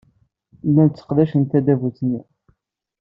Llant sseqdacent tadabut-nni.